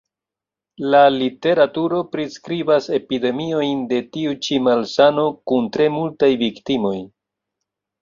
La literaturo priskribas epidemiojn de tiu ĉi malsano kun tre multaj viktimoj.